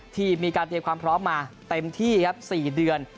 ทีมมีการเตรียมความพร้อมมาเต็มที่ครับ๔เดือน